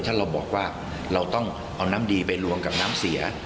ถ้าเราบอกว่าเราต้องเอาน้ำดีไปรวมกับน้ำเสีย